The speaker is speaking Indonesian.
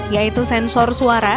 yaitu sensor suara